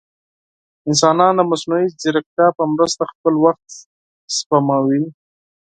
انسانان د مصنوعي ځیرکتیا په مرسته خپل وخت سپموي.